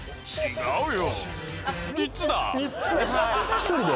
１人で？